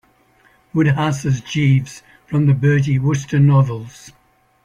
Wodehouse's Jeeves from the Bertie Wooster novels.